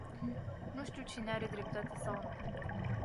Nu știu cine are dreptate sau nu.